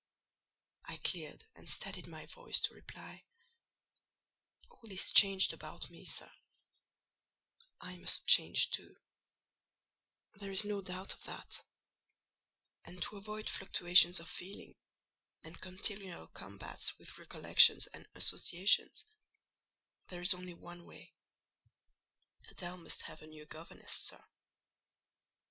I cleared and steadied my voice to reply: "All is changed about me, sir; I must change too—there is no doubt of that; and to avoid fluctuations of feeling, and continual combats with recollections and associations, there is only one way—Adèle must have a new governess, sir."